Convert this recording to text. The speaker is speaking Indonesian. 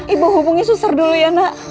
ibu hubungi suster dulu ya nak